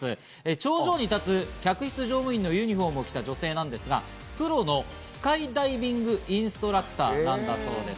頂上に立つ客室乗務員のユニホームを着た女性ですが、プロのスカイダイビングインストラクターだそうです。